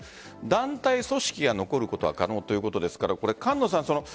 団体・組織が残ることは可能ということですから菅野さん